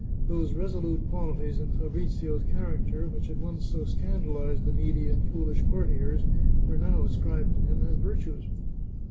Those resolute qualities in Fabrizio's character, which had once so scandalized the needy and foolish cour tiers, were now ascribed to him as virtues.